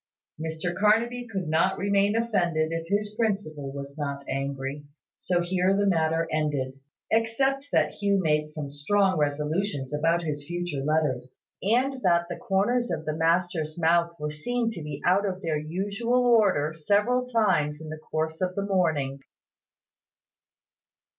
Mr Carnaby could not remain offended if his principal was not angry: so here the matter ended, except that Hugh made some strong resolutions about his future letters, and that the corners of the master's mouth were seen to be out of their usual order several times in the course of the morning.